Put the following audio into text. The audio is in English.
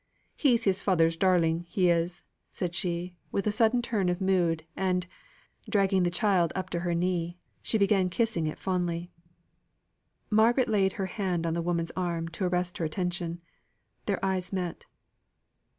He's his father's darling, he is," said she, with a sudden turn of mood, and, dragging the child up to her knee, she began kissing it fondly. Margaret laid her hand on the woman's arm to arrest her attention. Their eyes met.